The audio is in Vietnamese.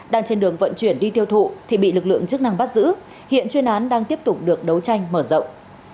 đang trên đường vận chuyển đi tiêu thụ thì bị lực lượng chức năng bắt giữ hiện chuyên án đang tiếp tục được đấu tranh mở rộng